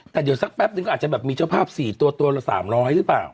แต่เดี๋ยวสักแปปหนึ่งอาจจะมีเจ้าภาพ๔ตัว๓๐๐อะไรหรือเปล่า